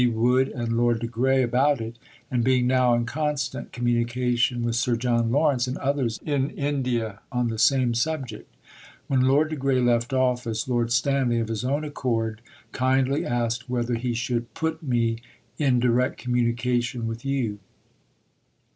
Wood, and Lord de Grey about it, and being now in constant communication with Sir John Lawrence and others in India on the same subject. When Lord de Grey left office, Lord Stanley, of his own accord, kindly asked whether he should "put" me "in direct communication" with you.